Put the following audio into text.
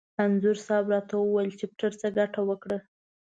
انځور صاحب را ته وویل: چپټر څه ګټه وکړه؟